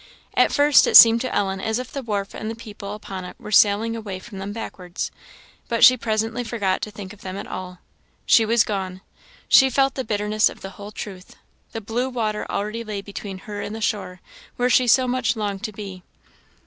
At first it seemed to Ellen as if the wharf and the people upon it were sailing away from them backwards; but she presently forgot to think of them at all. She was gone! she felt the bitterness of the whole truth; the blue water already lay between her and the shore, where she so much longed to be.